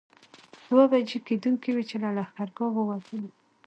دوه بجې کېدونکې وې چې له لښکرګاه ووتلو.